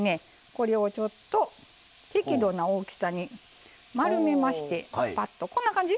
これをちょっと適度な大きさに丸めましてパッとこんな感じ？